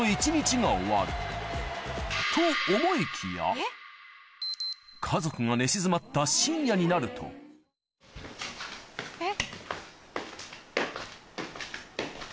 こうして家族が寝静まった深夜になるとえっ？